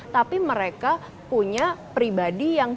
tapi mereka punya pribadi yang